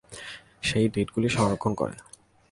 সেই ডেটা গুলি সংরক্ষণ করে।